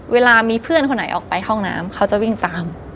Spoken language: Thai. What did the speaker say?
เวลามีเพื่อนคนไหนออกไปห้องน้ำเขาจะวิ่งตาม